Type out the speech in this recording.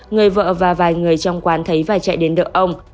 người vợ và vài người trong quán thấy và chạy đến đỡ ông